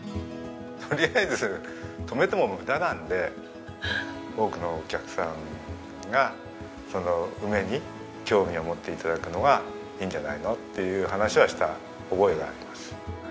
とりあえず止めても無駄なので多くのお客さんが梅に興味を持って頂くのがいいんじゃないの？っていう話をした覚えがあります。